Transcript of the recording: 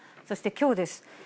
そしてきょうです。